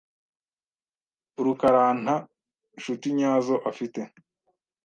rukaranta nshuti nyazo afite.